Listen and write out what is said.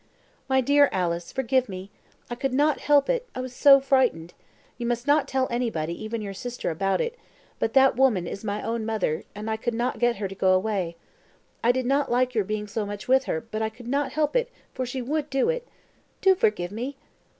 "My dear Alice, forgive me I could not help it, I was so frightened. You must not tell anybody, not even your sister, about it; but that woman is my own mother, and I could not get her to go away. I did not like your being so much with her, but I could not help it, for she would do it. Do forgive me."